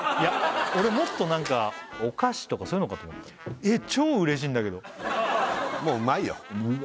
俺もっとなんかお菓子とかそういうのかと思った超うれしいんだけどもううまいようわ